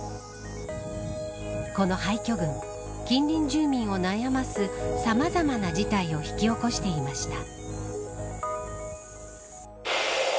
この廃墟群近隣住民を悩ますさまざまな事態を引き起こしていました。